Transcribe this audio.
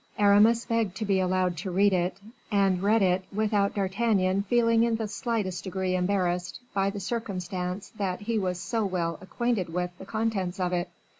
Aramis begged to be allowed to read it, and read it without D'Artagnan feeling in the slightest degree embarrassed by the circumstance that he was so well acquainted with the contents of it.